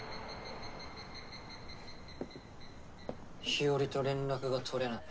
日和と連絡が取れない。